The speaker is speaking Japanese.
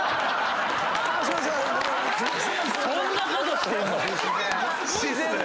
そんなことしてんの⁉自然だな。